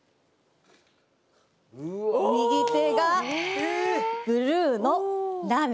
右手がブルーのラメ。